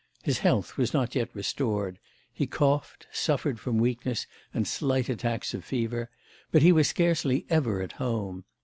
His health was not yet restored; he coughed, suffered from weakness and slight attacks of fever, but he was scarcely ever at home.